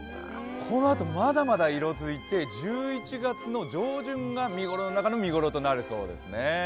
このあと、まだまだ色づいて１１月の上旬が見頃の中の見頃となるそうですね。